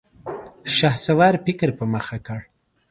شهسوار فکر په مخه کړ.